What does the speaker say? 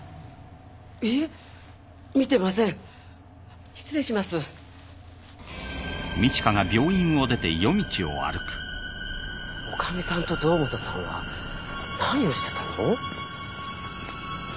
いいえ見てません失礼します女将さんと堂本さんは何をしてたの？